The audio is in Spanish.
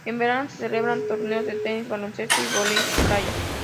En verano se celebran torneos de tenis, baloncesto y voley-playa.